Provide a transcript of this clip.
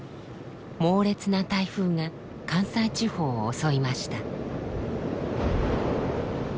猛烈な台風が関西地方を襲いました。